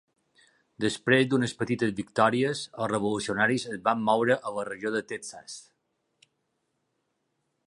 Després d'unes petites victòries, els revolucionaris es van moure a la regió de Texas.